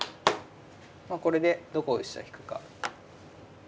まあこれでどこへ飛車引くか。